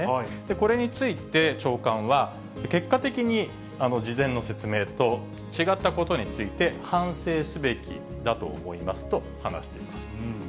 これについて長官は、結果的に、事前の説明と、違ったことについて反省すべきだと思いますと話しています。